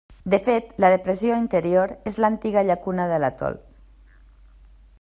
De fet, la depressió interior és l'antiga llacuna de l'atol.